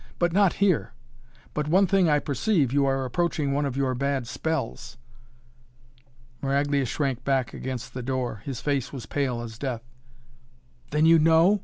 "But not here! But one thing I perceive. You are approaching one of your bad spells." Maraglia shrank back against the door. His face was pale as death. "Then you know?"